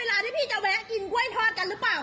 ทำไมพี่ถึงไม่รีบอ่ะพี่กินกล้วยทอดทำไม